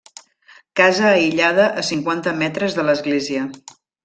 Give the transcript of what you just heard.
Casa aïllada a cinquanta metres de l'església.